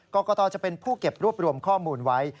กรกตจะเป็นผู้เก็บรวบรวมข้อมูลไว้